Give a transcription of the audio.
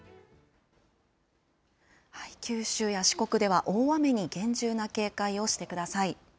九州や四国では大雨に厳重な警戒をしてください。